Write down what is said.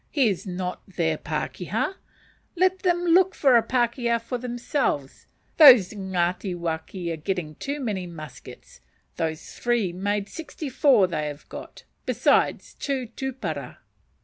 He is not their pakeha; let them look for a pakeha for themselves. Those Ngatiwaki are getting too many muskets those three make sixty four they have got, besides two tupara.